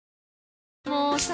もうさ